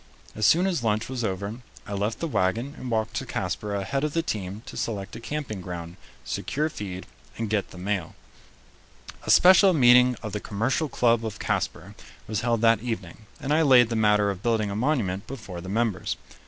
As soon as lunch was over, I left the wagon and walked to Casper ahead of the team to select a camping ground, secure feed, and get the mail. A special meeting of the Commercial Club of Casper was held that evening, and I laid the matter of building a monument before the members.